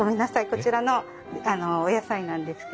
こちらのお野菜なんですけど。